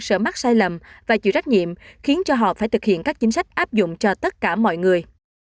sợ mắc sai lầm và chịu trách nhiệm khiến cho họ phải thực hiện các chính sách áp dụng cho tất cả mọi người